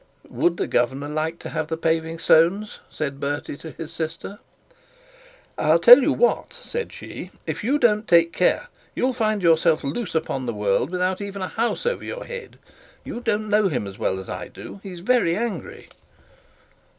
'Would the governor like to see the paving stones?' 'I'll tell you what,' said she. 'If you don't take care, you will find yourself loose upon the world without even a house over your head: you don't know him as well as I do. He's very angry.'